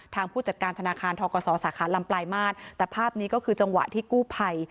ผู้จัดการธนาคารทกศสาขาลำปลายมาตรแต่ภาพนี้ก็คือจังหวะที่กู้ภัย